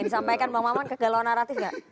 yang disampaikan bang maman kegalauan naratif gak